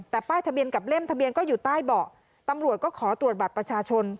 แต่ป้ายทะเบียนกับเล่มทะเบียนก็อยู่ใต้เบาะตำรวจก็ขอตรวจบัตรประชาชน